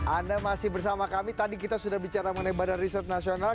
anda masih bersama kami tadi kita sudah bicara mengenai badan riset nasional